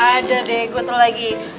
ada deh gue tuh lagi